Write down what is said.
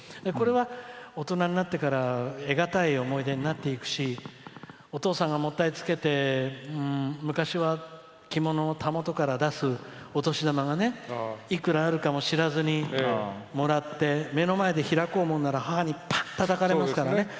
これは大人になってから得難い思い出になっていくしお父さんがもったいつけて昔は着物のたもとから出すお年玉がねいくらあるかも知らずにもらって目の前で開こうものなら母にパーンってたたかれますから。